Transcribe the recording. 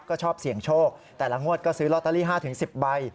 ก็ชอบเสี่ยงโชคแต่ละงวดก็ซื้อลอตเตอรี่๕๑๐ใบ